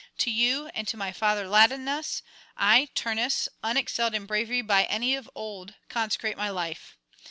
To you and to my father Latinus I Turnus, unexcelled in bravery by any of old, consecrate my life.